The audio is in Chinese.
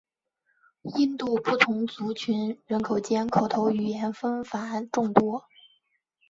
印度不同族群人口间口头语言纷繁众多。